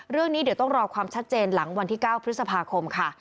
เรื่องนี้เดี๋ยวต้องรอความชัดเจนหลังวันที่๙พฤษภาคมค่ะ